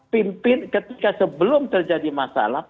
pimpin ketika sebelum terjadi masalah